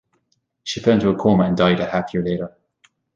She fell into a coma and died a half year later.